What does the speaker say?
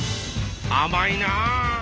あまいな。